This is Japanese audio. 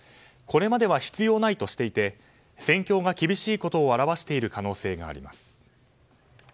これまでは必要ないとしていて戦況が厳しいことを表している可能性があります。